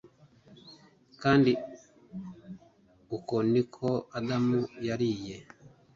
Kandi uko niko Adamu yariye